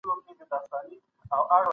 موږ بايد د قانون حاکميت ته غاړه کېږدو.